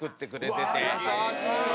優しい！